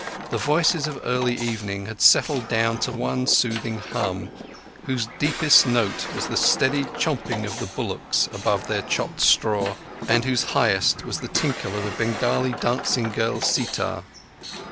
The voices of early evening had settled down to one soothing hum whose deepest note was the steady chumping of the bullocks above their chopped straw, and whose highest was the tinkle of a Bengali dancing girl's sitar.